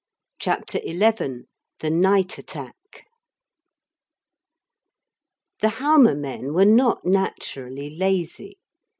CHAPTER XI THE NIGHT ATTACK The Halma men were not naturally lazy.